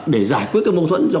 để giải quyết cái mâu thuẫn